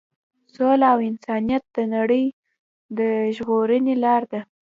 سوله او انسانیت د نړۍ د ژغورنې لار ده.